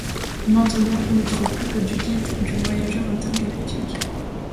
Maintenant on ne trouve plus que du Guide du voyageur intergalactique.